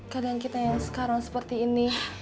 kadang kita yang sekarang seperti ini